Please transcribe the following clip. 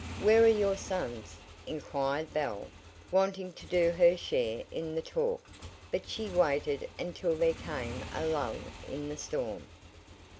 "Where are your sons?" inquired Belle, wanting too do her share in the talk; but she waited until there came a lull in the storm.